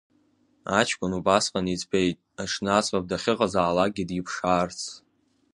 Аҷкәын убасҟан иӡбеит, аҽны аӡӷаб дахьыҟазаалакгьы диԥшаарц.